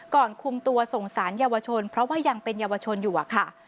ก่อนคุมตัวส่งสารเยาวชนเพราะว่ายังเป็นเยาวชนอยู่อะค่ะ